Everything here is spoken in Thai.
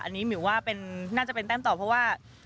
อันนี้หมิวว่าน่าจะเป็นแต้มต่อเพราะว่า